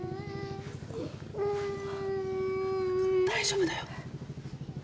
大丈夫だよ。